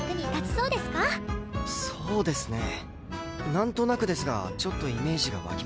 なんとなくですがちょっとイメージが湧きました。